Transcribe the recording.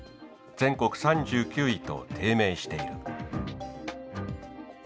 全国３９位と低迷している。